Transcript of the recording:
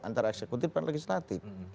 antara eksekutif dan legislatif